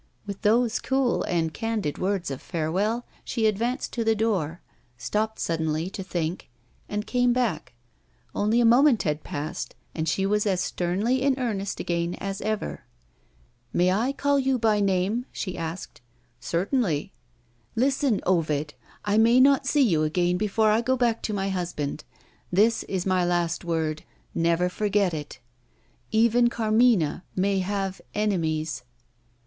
With those cool and candid words of farewell, she advanced to the door stopped suddenly to think and came back. Only a moment had passed, and she was as sternly in earnest again as ever. "May I call you by your name?" she asked. "Certainly!" "Listen, Ovid! I may not see you again before I go back to my husband. This is my last word never forget it. Even Carmina may have enemies!"